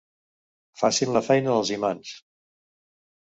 Facin la feina dels imants.